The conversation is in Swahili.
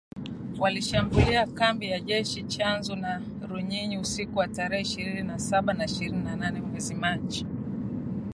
walishambulia kambi za jeshi Tchanzu na Runyonyi usiku wa tarehe ishirini na saba na ishirini na nane mwezi Machi